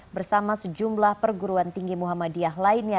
bersama sejumlah perguruan tinggi muhammadiyah lainnya